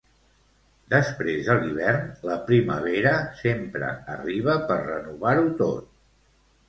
Després de l'hivern, la primavera sempre arriba per renovar-ho tot.